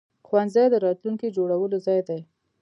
ښوونځی د راتلونکي جوړولو ځای دی.